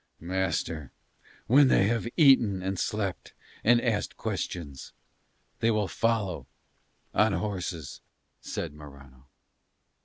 "Master, when they have eaten and slept and asked questions they will follow on horses," said Morano.